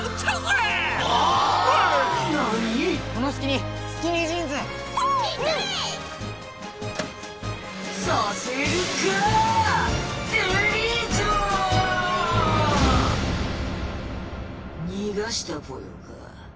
にがしたぽよか。